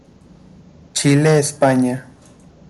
Chile España.